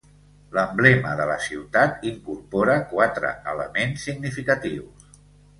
L'emblema de la ciutat incorpora quatre elements significatius.